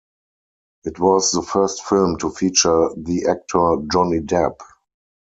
It was the first film to feature the actor Johnny Depp.